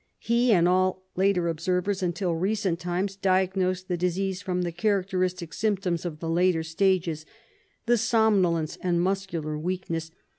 He and all later observers until recent times diagnosed the disease from the charac teristic symptoms of the later stages — the somnolence and muscular weakness.